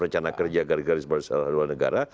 rencana kerja gara gara di luar negara